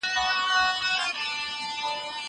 زه پرون زدکړه وکړه!؟